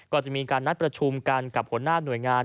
ก็จะมีการนัดประชุมกันกับหัวหน้าหน่วยงาน